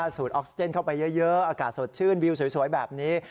สูตรออกซิเจนเข้าไปเยอะอากาศสดชื่นวิวสวยแบบนี้